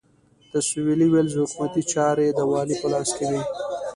د سوېلي ویلز حکومتي چارې د والي په لاس کې وې.